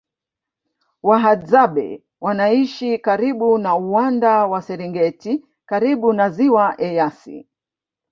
Wahadzabe wanaishi karibu na uwanda wa serengeti karibu na ziwa eyasi